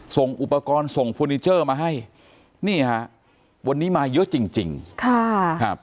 ส่งอุปกรณ์ส่งเฟอร์นิเจอร์มาให้นี่ฮะวันนี้มาเยอะจริงจริงค่ะครับ